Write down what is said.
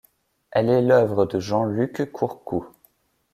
Elle est l'œuvre de Jean-Luc Courcoult.